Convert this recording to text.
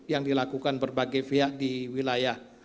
yang dilakukan berbagai pihak di wilayah